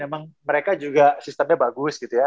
emang mereka juga sistemnya bagus gitu ya